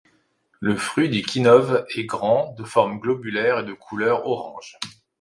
Le fruit du kinnow est grand, de forme globulaire et de couleur orange.